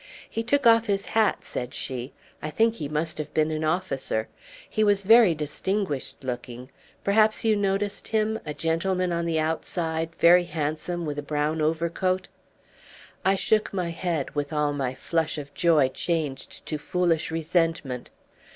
"He took off his hat," said she. "I think he must have been an officer. He was very distinguished looking. Perhaps you noticed him a gentleman on the outside, very handsome, with a brown overcoat." I shook my head, with all my flush of joy changed to foolish resentment.